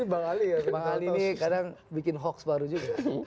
bang ali ini kadang bikin hoax baru juga